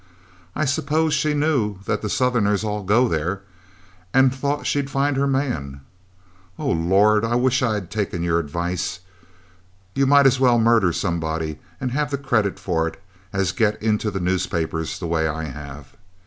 I suppose she knew that the Southerners all go there, and thought she'd find her man. Oh! Lord, I wish I'd taken your advice. You might as well murder somebody and have the credit of it, as get into the newspapers the way I have.